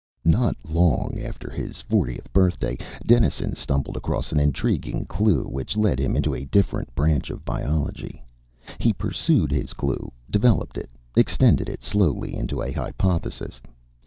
Not long after his fortieth birthday, Dennison stumbled across an intriguing clue which led him into a different branch of biology. He pursued his clue, developed it, extended it slowly into a hypothesis.